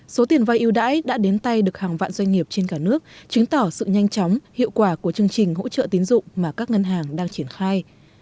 số tiền vai yêu đãi đã đến tay được hàng vạn doanh nghiệp trên cả nước chứng tỏ sự nhanh chóng hiệu quả của chương trình hỗ trợ tín dụng mà các ngân hàng đang triển khai